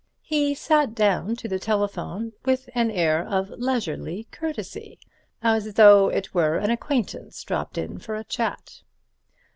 He sat down to the telephone with an air of leisurely courtesy, as though it were an acquaintance dropped in for a chat.